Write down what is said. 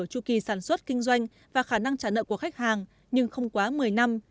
tru kỳ sản xuất kinh doanh và khả năng trả nợ của khách hàng nhưng không quá một mươi năm